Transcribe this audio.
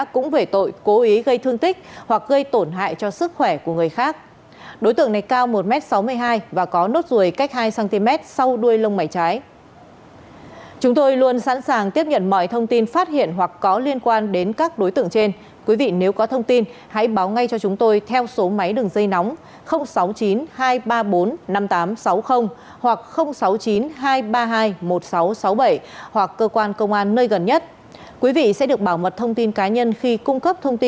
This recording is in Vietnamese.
cũng phạm tội cố ý gây thương tích hoặc gây tổn hại cho sức khỏe của người khác và phải nhận quyết định truy nã của công an thành phố trí linh tỉnh hải dương